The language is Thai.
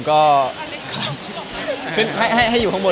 ก็ให้อยู่ข้างบน